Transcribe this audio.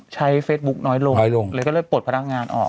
ใช้เฟซบุ๊กน้อยลงแล้วก็เลยปลดพนักงานออก